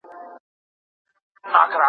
کورنۍ لومړنی ټولنیز نهاد دی.